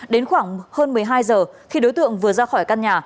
đến khoảng hơn một mươi hai giờ khi đối tượng vừa ra khỏi căn nhà